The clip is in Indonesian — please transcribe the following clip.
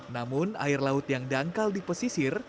namun air laut yang dangkal di pesisir